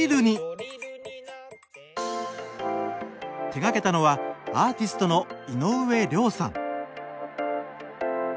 手がけたのはアーティストの井上涼さん。